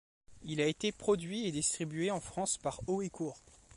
Il a été produit et distribué en France par Haut et Court.